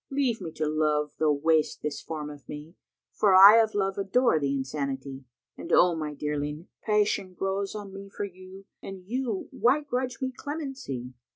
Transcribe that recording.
Leave me to love though waste this form of me! * For I of Love adore the insanity: And, Oh my dearling, passion grows on me * For you—and you, why grudge me clemency?